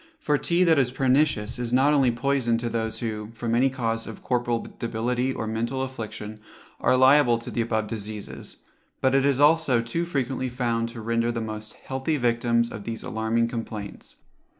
For tea that is pernicious is not only poison to those who, from any cause of corporal debility or mental affliction, are liable to the above diseases; but it is also too frequently found to render the most healthy victims of these alarming complaints.